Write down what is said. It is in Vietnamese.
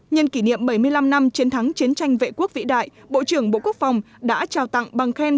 nhân kỷ niệm bảy mươi năm năm chiến thắng chiến tranh vệ quốc vĩ đại bộ trưởng bộ quốc phòng đã trao tặng bằng khen